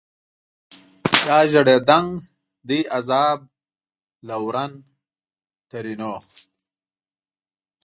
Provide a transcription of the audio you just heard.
چا ژړېدنک دي عذاب لورن؛ ترينو